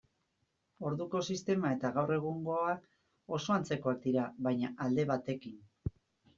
Orduko sistema eta gaur egungoa oso antzekoak dira, baina alde batekin.